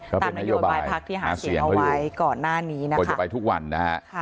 ตามนโยบายภักดิ์ที่หาเสียงเอาไว้ก่อนหน้านี้นะครับ